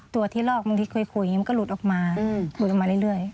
ตัวที่รอกบางทีคุยก็หลุดออกมาหลุดออกมาเรื่อย